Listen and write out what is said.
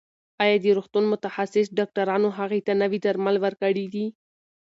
ایا د روغتون متخصص ډاکټرانو هغې ته نوي درمل ورکړي دي؟